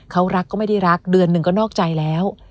เขารักก็ไม่ได้รักเดือนหนึ่งก็นอกใจแล้ว